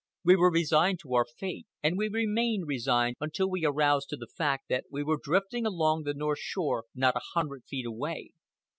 We were resigned to our fate, and we remained resigned until we aroused to the fact that we were drifting along the north shore not a hundred feet away.